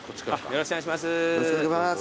よろしくお願いします。